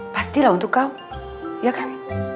pasti lah untuk kau ya kan